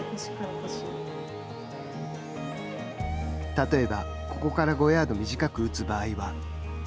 例えば、ここから５ヤード短く打つ場合は。